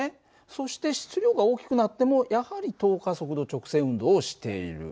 そして質量が大きくなってもやはり等加速度直線運動をしている。